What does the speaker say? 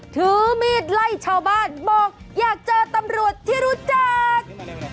ถือมีดไล่ชาวบ้านบอกอยากเจอตำรวจที่รู้จัก